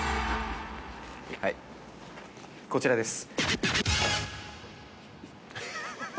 はいこちらです。